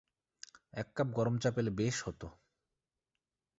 এক কাপ গরম চা পেলে বেশ হত।